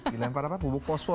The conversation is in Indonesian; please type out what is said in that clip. dilempar apa bubuk fosfor gitu ya